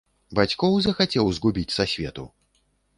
Бацькоў захацеў згубіць са свету?